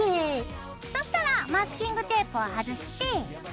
そしたらマスキングテープを外して。